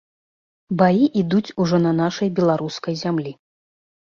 Баі ідуць ужо на нашай беларускай зямлі.